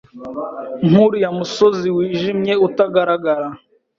Nkuriya musozi wijimye utagaragara